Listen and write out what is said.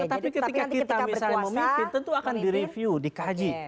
tetapi ketika kita misalnya memimpin tentu akan direview dikaji